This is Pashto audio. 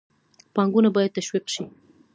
پانګونه باید تشویق شي.